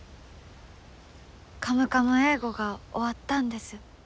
「カムカム英語」が終わったんです。